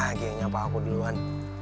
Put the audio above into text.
kamu lagi yang nyapa aku duluan